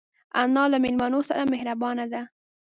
انا له مېلمنو سره مهربانه ده